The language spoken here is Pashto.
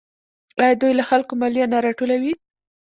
آیا دوی له خلکو مالیه نه راټولوي؟